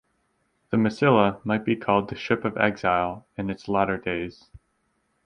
The "Massilia" might be called "the ship of exile" in its latter days.